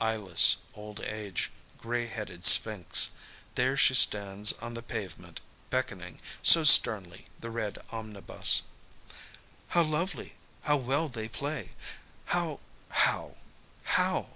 Eyeless old age, grey headed Sphinx.... There she stands on the pavement, beckoning, so sternly, the red omnibus. "How lovely! How well they play! How how how!"